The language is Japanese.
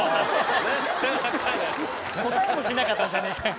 答えもしなかったじゃねえかよ。